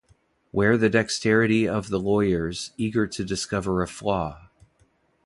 Where the dexterity of the lawyers, eager to discover a flaw?